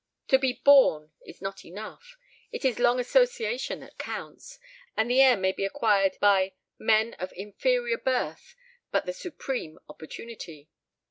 To be "born" is not enough. It is long association that counts, and the "air" may be acquired by men of inferior birth but the supreme opportunity.